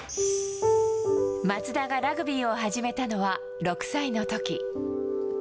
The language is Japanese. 松田がラグビーを始めたのは６歳のとき。